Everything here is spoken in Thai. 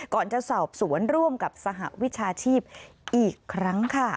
ก่อนจะสอบสวนร่วมกับสหวิชาชีพอีกครั้งค่ะ